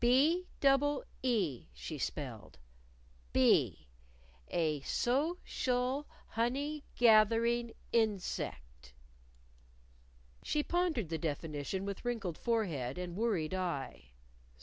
"B double e," she spelled; "Bee: a so cial hon ey gath er ing in sect." She pondered the definition with wrinkled forehead and worried eye.